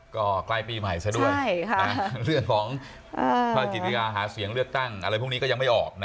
ก็ใกล้ปีใหม่ซะด้วยเรื่องของภาคกิจิกาหาเสียงเลือกตั้งอะไรพวกนี้ก็ยังไม่ออกนะ